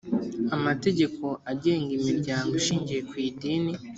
amategeko agenga imiryango ishingiye ku idini